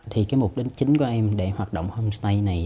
thì cái mục đích chính của em để hoạt động homestay này